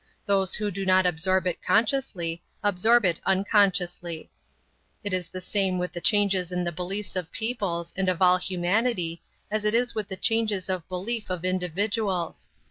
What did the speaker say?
Those who do not absorb it consciously, absorb it unconsciously. It is the same with the changes in the beliefs of peoples and of all humanity as it is with the changes of belief of individuals.